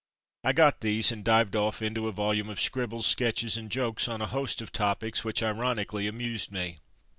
I got these, and dived off into a volume of scribbles, sketches, and jokes on a host of topics which ironically amused me.